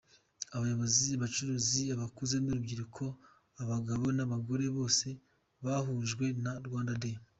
Abayobozi, abacuruzi, abakuze n’urubyiruko, abagabo n’abagore, bose bahujwe na Rwanda Day.